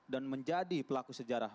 dan menjadi pelaku sejarah